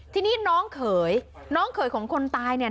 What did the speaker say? ทีนี้น้องเขยน้องเขยของคนตายเนี่ย